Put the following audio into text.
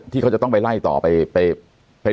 ที่เขาจะต้องไปไล่ต่อไปตรวจสอบต่อ